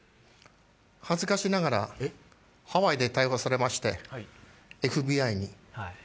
恥ずかしながらハワイで逮捕されましてＦＢＩに。